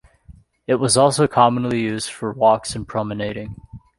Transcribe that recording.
It was also commonly used for walks and promenading.